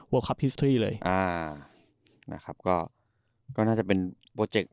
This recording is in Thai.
เวิร์ลคับฮิสตรีย์เลยอ่านะครับก็ก็น่าจะเป็นโปรเจค